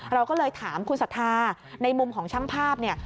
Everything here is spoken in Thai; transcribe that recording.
เราก็เลยถามคุณศรัทธาในมุมของช่างภาพเนี่ย